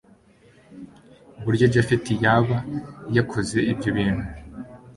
uburyo japhet yaba yakoze ibyo bintu